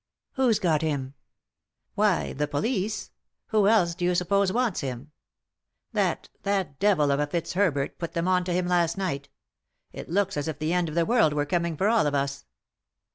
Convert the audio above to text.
" Who's got him ?" "Why, the police; who else do you suppose wants him ? That — that devil of a Fitzherbert put them on to him, last night. It looks as if the end of the world were coming for all of us."